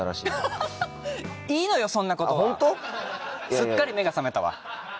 すっかり目が覚めたわ。